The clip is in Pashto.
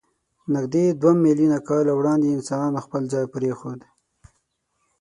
نږدې دوه میلیونه کاله وړاندې انسانانو خپل ځای پرېښود.